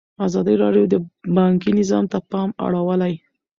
ازادي راډیو د بانکي نظام ته پام اړولی.